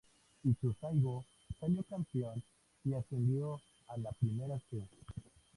Ituzaingó salió campeón y ascendió a la Primera C